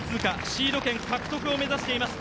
シード権獲得を目指しています。